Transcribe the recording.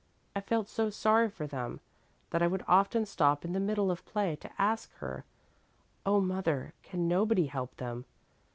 I felt so sorry for them that I would often stop in the middle of play to ask her, 'Oh, mother, can nobody help them?'